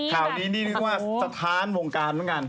ข่าวนี้นี่นึกว่าสถานวงการเหมือนกัน